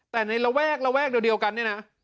แต่ในระแวกระแวกเดียวกันเนี่ยนะ